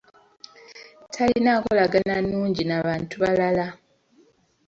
Talina nkolagana nnungi n'abantu balala.